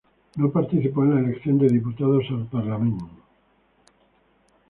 No participó en la elección de diputados al Parlacen.